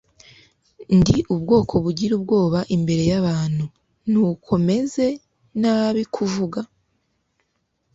ndi ubwoko bugira ubwoba imbere yabantu, nuko meze nabi kuvuga